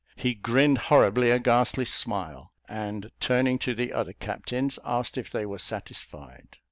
"He grinned horribly a ghastly smile," and, turning to the other captains, asked if they were satisfied.